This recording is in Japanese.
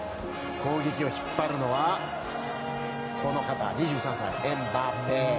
攻撃を引っ張るのは２３歳、エムバペ。